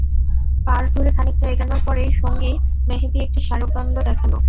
পাড় ধরে খানিকটা এগোনোর পরই সঙ্গী মেহেদী একটি স্মারক দণ্ড দেখাল।